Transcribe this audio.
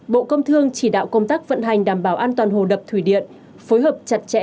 bộ công thương chỉ đạo công tác vận hành đảm bảo an toàn hồ đập thủy điện phối hợp chặt chẽ